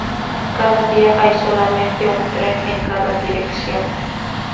Cada día hay solamente un tren en cada dirección.